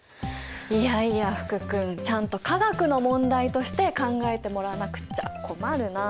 いやいや福君ちゃんと化学の問題として考えてもらわなくっちゃ困るなあ。